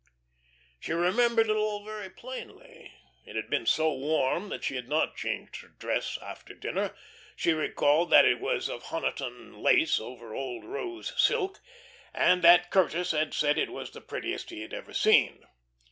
She remembered it all very plainly. It had been so warm that she had not changed her dress after dinner she recalled that it was of Honiton lace over old rose silk, and that Curtis had said it was the prettiest he had ever seen.